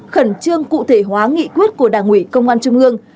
khẩn trương cụ thể hóa nghị quyết của đảng ủy công an trung ương